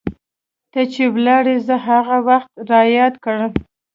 ته چې ولاړي زه هغه وخت رایاد کړم